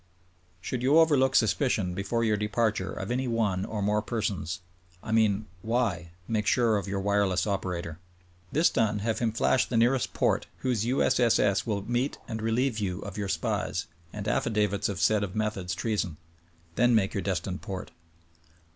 Should you overlook suspicion before your departure of any one or more persons, I mean— ^why, make sure of your wireless operator. This done, have him flash the nearest port — iwhose U. S. S. S. will meet and relieve you of your SPIES ... and affidavits of said of methods treason. Then make your des tined port.